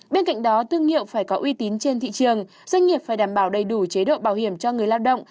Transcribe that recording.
bên cạnh đó thương hiệu phải có uy tín trên thị trường doanh nghiệp phải đảm bảo đầy đủ chế độ bảo hiểm cho người lao động